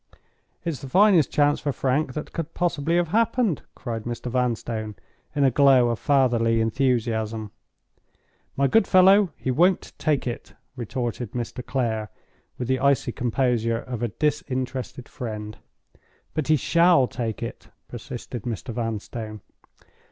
"It's the finest chance for Frank that could possibly have happened," cried Mr. Vanstone, in a glow of fatherly enthusiasm. "My good fellow, he won't take it," retorted Mr. Clare, with the icy composure of a disinterested friend. "But he shall take it," persisted Mr. Vanstone.